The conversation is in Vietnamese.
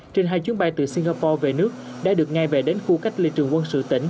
trên hai chuyến bay từ singapore về nước đã được nghe về đến khu cách ly trường quân sự tỉnh